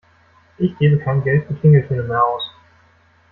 Ich gebe kein Geld für Klingeltöne mehr aus.